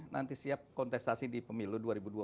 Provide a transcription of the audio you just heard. nanti siap kontestasi di pemilu dua ribu dua puluh